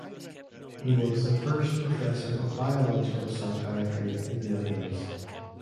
He was the first professor of biological psychiatry in the Netherlands.